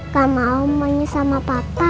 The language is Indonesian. gak mau main sama papa